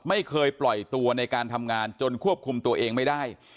ไม่เคยปล่อยตัวในการทำงานจนควบคุมตัวเองไม่ได้